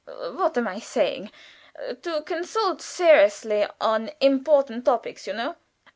_ What am I saying? to consult seriously upon important topics, you know.